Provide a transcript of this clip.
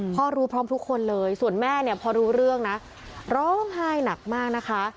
พ่อรู้พร้อมทุกคนเลยส่วนแม่เนี่ยพอรู้เรื่องนะร้องไห้หนักมากนะคะ